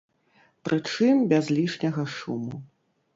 Прычым, без лішняга шуму.